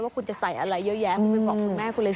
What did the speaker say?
ว่าคุณจะใส่อะไรเยอะมึงไม่บอกคุณแม่คุณอื่น